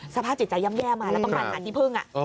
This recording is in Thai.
สภาพสิทธิใจแห้มแย้มมาแล้วต้องหาอันที่เพิ่ง